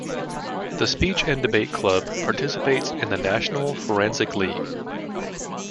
The Speech and Debate Club participates in the National Forensic League.